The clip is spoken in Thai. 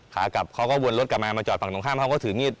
ขากลับเขาก็วนรถกลับมามาจอดฝั่งตรงข้ามเขาก็ถือมีด